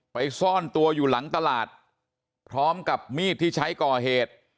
ซ่อนตัวอยู่หลังตลาดพร้อมกับมีดที่ใช้ก่อเหตุ